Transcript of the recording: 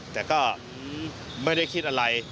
แต่ก็ไม่ได้คิดอะไร